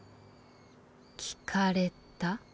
聞かれた？